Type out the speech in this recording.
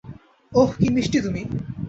ওহ, কী মিষ্টি তুমি!